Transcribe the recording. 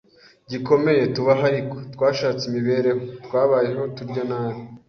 gikomeye tubaho aruko twashatse imibereho, twabayeho turya nabi